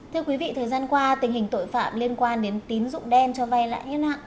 thưa quý vị thời gian qua tình hình tội phạm liên quan đến tín dụng đen cho vai lại nhân hạng